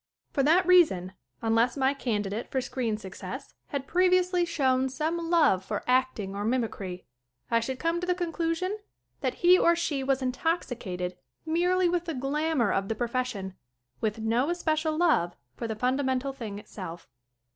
For that reason unless my candidate for screen success had previously shown some love for acting or mimicry I should come to the con SCREEN ACTING 35 elusion that he or she was intoxicated merely with the glamour of the profession, with no especial love for the fundamental thing itself.